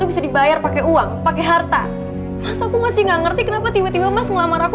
bisa dibayar pakai uang pakai harta mas aku masih nggak ngerti kenapa tiba tiba mas ngelamar aku